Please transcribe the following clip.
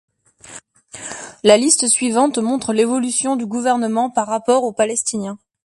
La liste suivante montre l'évolution du gouvernement par rapport au palestinien.